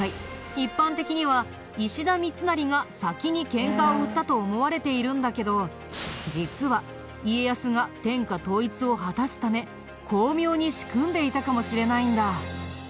一般的には石田三成が先にケンカを売ったと思われているんだけど実は家康が天下統一を果たすため巧妙に仕組んでいたかもしれないんだ。